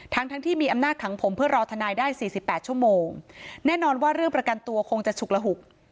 ทั้งทั้งที่มีอำนาจขังผมเพื่อรอทนายได้สี่สิบแปดชั่วโมงแน่นอนว่าเรื่องประกันตัวคงจะฉุกระหุก